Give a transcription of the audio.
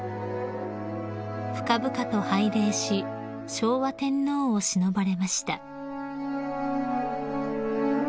［深々と拝礼し昭和天皇をしのばれました］